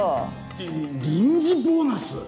えっ臨時ボーナス？